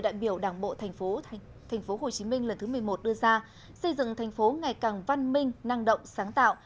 đại biểu đảng bộ tp hcm lần thứ một mươi một đưa ra xây dựng thành phố ngày càng văn minh năng động sáng tạo